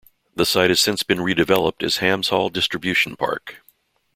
The site has since been redeveloped as Hams Hall Distribution Park.